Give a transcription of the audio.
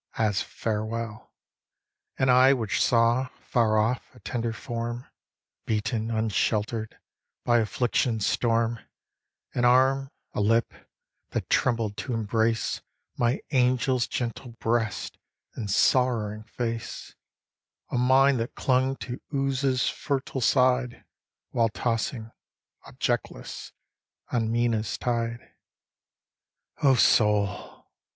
as "farewell!" An eye which saw, far off, a tender form, Beaten, unsheltered, by affliction's storm; An arm a lip that trembled to embrace My angel's gentle breast and sorrowing face, A mind that clung to Ouse's fertile side While tossing objectless on Menai's tide! 'Oh, Soul!